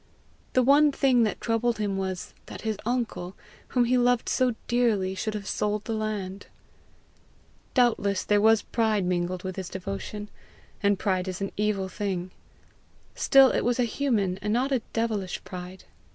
The one thing that troubled him was, that his uncle, whom he loved so dearly, should have sold the land. Doubtless there was pride mingled with his devotion, and pride is an evil thing. Still it was a human and not a devilish pride.